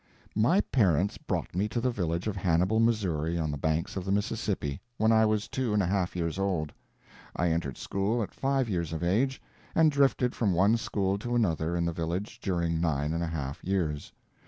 My parents brought me to the village of Hannibal, Missouri, on the banks of the Mississippi, when I was two and a half years old. I entered school at five years of age, and drifted from one school to another in the village during nine and a half years.